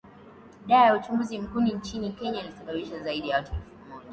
da ya uchaguzi mkuu nchini kenya ulisababisha zaidi ya watu elfu moja